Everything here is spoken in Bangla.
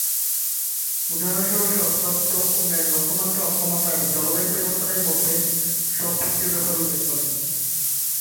উদাহরণস্বরূপ, সহস্রাব্দ উন্নয়ন লক্ষ্যমাত্রা অক্ষমতা এবং জলবায়ু পরিবর্তনের মধ্যে সম্পর্কের ব্যাপারে উল্লেখ করেনি।